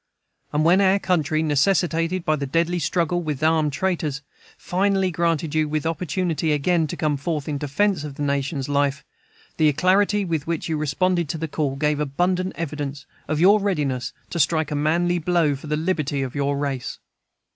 And when our country, necessitated by the deadly struggle with armed traitors, finally granted you the opportunity again to come forth in defence of the nation's life, the alacrity with which you responded to the call gave abundant evidence of your readiness to strike a manly blow for the liberty of your race.